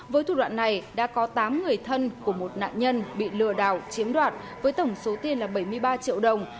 với thủ đoạn này đã có tám người thân của một nạn nhân bị lừa đảo chiếm đoạt với tổng số tiền là bảy mươi ba triệu đồng